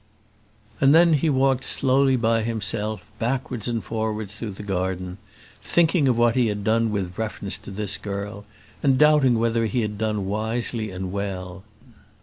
And then he walked slowly by himself, backwards and forwards through the garden, thinking of what he had done with reference to this girl, and doubting whether he had done wisely and well.